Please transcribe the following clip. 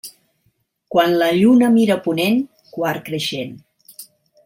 Quan la lluna mira a ponent, quart creixent.